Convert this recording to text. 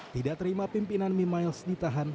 tidak terima pimpinan may miles ditahan